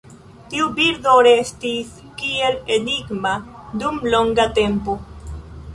Tiu birdo restis kiel enigma dum longa tempo.